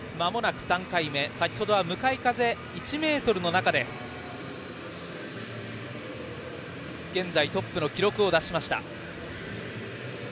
先程は向かい風１メートルの中で現在、トップの記録を出しました。